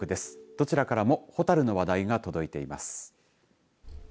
どちらからも蛍の話題が届いています。